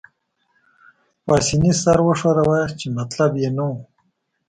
پاسیني سر وښوراوه، چې مطلب يې نه وو.